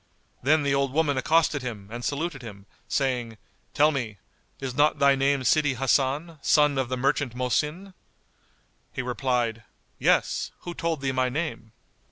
Then the old woman accosted him and saluted him, saying, "Tell me, is not thy name Sidi Hasan, son of the merchant Mohsin?" He replied, "Yes, who told thee my name?"